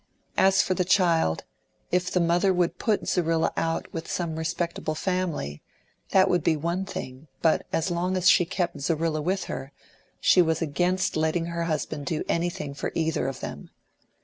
As for the child, if the mother would put Zerrilla out with some respectable family, that would be ONE thing; but as long as she kept Zerrilla with her, she was against letting her husband do anything for either of them.